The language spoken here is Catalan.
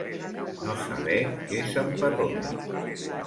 No saber què s'empatolla.